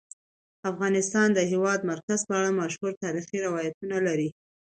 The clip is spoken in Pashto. افغانستان د د هېواد مرکز په اړه مشهور تاریخی روایتونه لري.